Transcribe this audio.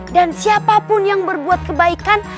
dan siapapun yang berbuat kebaikan